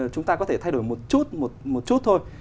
chúng ta có thể thay đổi một chút thôi